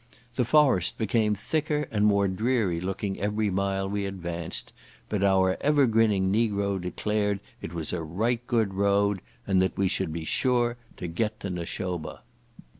The forest became thicker and more dreary looking every mile we advanced, but our ever grinning negro declared it was a right good road, and that we should be sure to get to Nashoba.